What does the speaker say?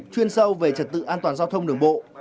chuyên sâu về trật tự an toàn giao thông đường bộ